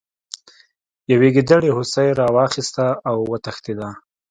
یوې ګیدړې هوسۍ راواخیسته او وتښتیده.